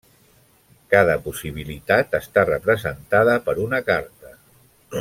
Cada possibilitat està representada per una carta.